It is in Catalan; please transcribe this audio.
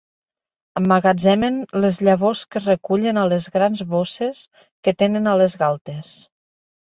Emmagatzemen les llavors que recullen a les grans bosses que tenen a les galtes.